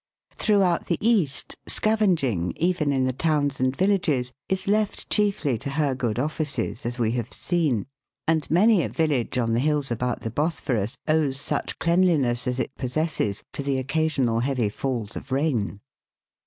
Throughout the East, scavenging, even in the towns and villages, is left chiefly to her good offices, as we have seen, and many a village on the hills about the Bosphorus owes such cleanliness as it possesses to the occasional heavy falls of rain.